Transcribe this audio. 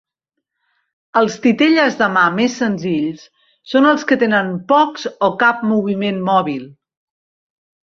Els titelles de mà més senzills són els que tenen pocs o cap moviment mòbil.